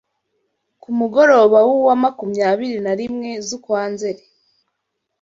Ku mugoroba w’uwa makumyabiri na rimwe z’ukwa Nzeri